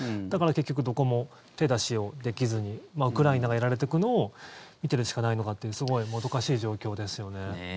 だから結局どこも手出しをできずにウクライナがやられていくのを見てるしかないのかっていうすごいもどかしい状況ですよね。